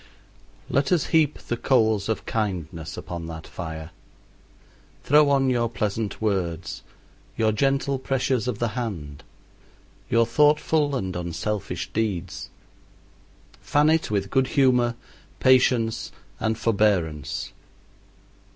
Let us heap the coals of kindness upon that fire. Throw on your pleasant words, your gentle pressures of the hand, your thoughtful and unselfish deeds. Fan it with good humor, patience, and forbearance.